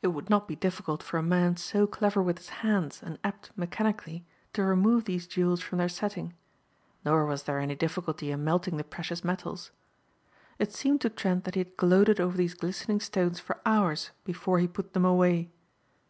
It would not be difficult for a man so clever with his hands and apt mechanically to remove these jewels from their setting. Nor was there any difficulty in melting the precious metals. It seemed to Trent that he had gloated over these glistening stones for hours before he put them away.